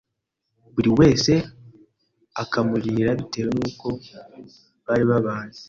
buri wese akamuririra bitewe n’uko bari babanye